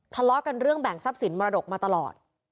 ทะเลาะกันเรื่องแบ่งทรัพย์สินมรดกมาตลอด